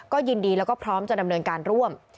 ก็ยินดีแล้วก็พร้อมจะดำเนินการร่วม